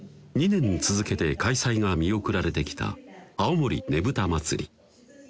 ２年続けて開催が見送られてきた青森ねぶた祭